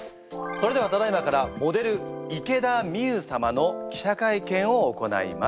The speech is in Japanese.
それではただいまからモデル池田美優様の記者会見を行います。